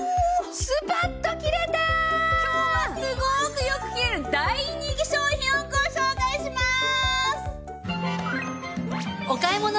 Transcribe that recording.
今日はすごくよく切れる大人気商品をご紹介します。